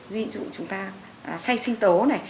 ví dụ chúng ta xay sinh tố này